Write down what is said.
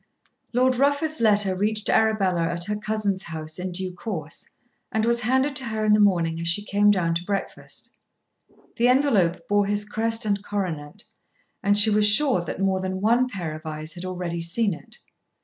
Lord Rufford's letter reached Arabella at her cousin's house, in due course, and was handed to her in the morning as she came down to breakfast. The envelope bore his crest and coronet, and she was sure that more than one pair of eyes had already seen it.